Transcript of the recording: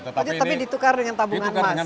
bank sampah tapi ditukar dengan